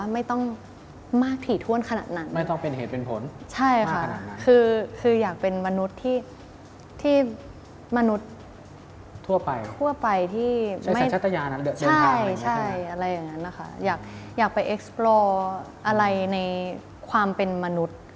มันติด